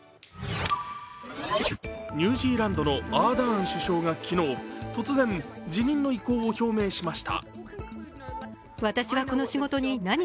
ニュージーランドのアーダーン首相が昨日、突然、辞任の意向を表明しました。